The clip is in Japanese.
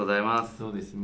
そうですね。